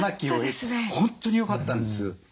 本当によかったんです。